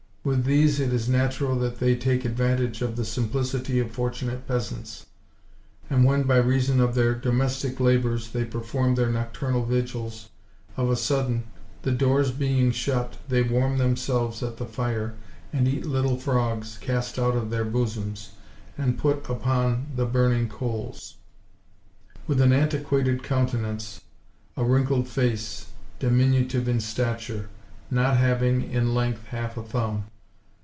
With these it is natural that they take advantage of the simplicity of fortunate peasants; and when, by reason of their domestic labours, they perform their nocturnal vigils, of a sudden, the doors being shut, they warm themselves at the fire, and eat little frogs, cast out of their bosoms and put upon the burning coals; with an antiquated countenance; a wrinkled face; diminutive in stature, not having [in length] half a thumb.